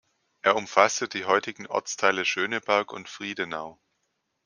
Er umfasste die heutigen Ortsteile Schöneberg und Friedenau.